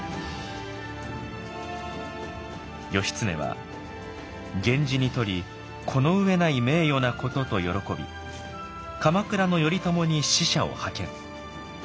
義経は「源氏にとりこの上ない名誉なこと」と喜び鎌倉の頼朝に使者を派遣。